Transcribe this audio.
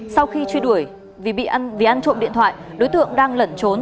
sau khi truy đuổi vì ăn trộm điện thoại đối tượng đang lẩn trốn